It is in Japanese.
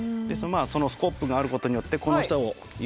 そのスコップがあることによってこの下を雪かきして頂く。